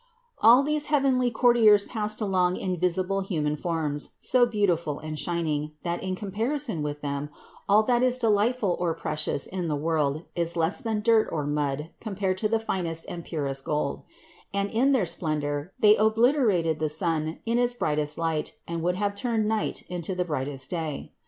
All these heavenly courtiers passed along in visible human forms, so beautiful and shining, that in comparison with them, all that is delightful or precious in the world, is less than dirt or mud compared to the finest and purest gold; and in their splendor they obliterated the sun in its brightest light and would have turned 500 CITY OF GOD night into the brightest day.